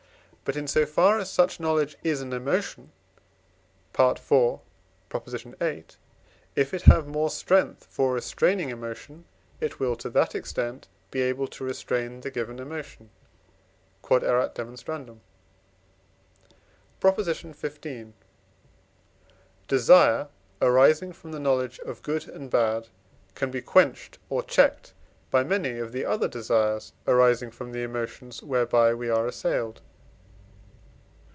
But, in so far as such knowledge is an emotion (IV. viii.) if it have more strength for restraining emotion, it will to that extent be able to restrain the given emotion. Q.E.D. PROP. XV. Desire arising from the knowledge of good and bad can be quenched or checked by many of the other desires arising from the emotions whereby we are assailed.